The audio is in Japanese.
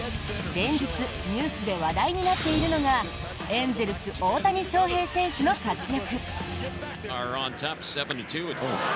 連日ニュースで話題になっているのがエンゼルス、大谷翔平選手の活躍。